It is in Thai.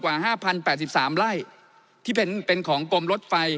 กว่าห้าพันแปดสิบสามไร่ที่เป็นเป็นของกลมรถไฟ